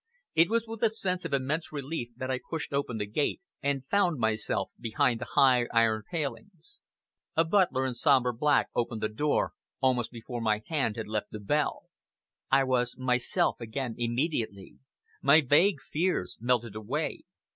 It was with a sense of immense relief that I pushed open the gate and found myself behind the high iron palings. A butler in sombre black opened the door, almost before my hand had left the bell. I was myself again immediately. My vague fears melted away.